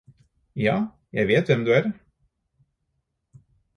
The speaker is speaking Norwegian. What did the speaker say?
Ja, jeg vet hvem du er